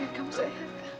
reda kamu sehat kan